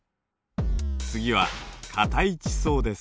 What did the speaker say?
次は硬い地層です。